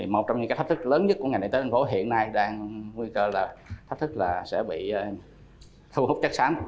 một trong những thách thức lớn nhất của ngành đại tế thành phố hiện nay đang nguy cơ là thách thức là sẽ bị thu hút chắc sáng